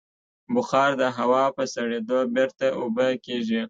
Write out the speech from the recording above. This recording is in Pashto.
بخار د هوا په سړېدو بېرته اوبه کېږي.